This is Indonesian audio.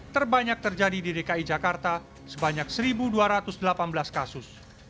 terbanyak terjadi di dki jakarta sebanyak satu dua ratus delapan belas kasus